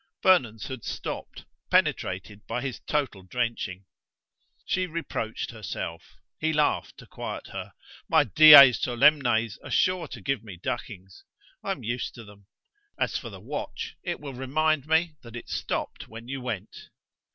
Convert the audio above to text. Vernon's had stopped, penetrated by his total drenching. She reproached herself. He laughed to quiet her. "My dies solemnes are sure to give me duckings; I'm used to them. As for the watch, it will remind me that it stopped when you went."